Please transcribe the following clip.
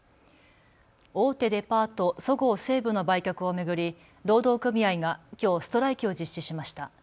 大手デパート、そごう・西武の売却を巡り労働組合がきょうストライキを実施しました。